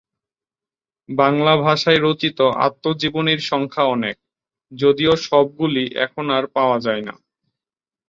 বাংলা ভাষায় রচিত আত্মজীবনীর সংখ্যা অনেক, যদিও সবগুলি এখন আর পাওয়া যায় না।